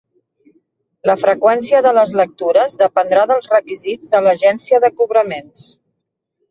La freqüència de les lectures dependrà dels requisits de l'agència de cobraments.